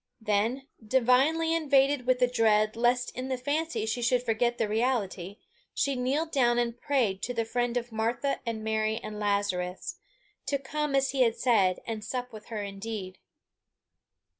Then, divinely invaded with the dread lest in the fancy she should forget the reality, she kneeled down and prayed to the friend of Martha and Mary and Lazarus, to come as he had said, and sup with her indeed.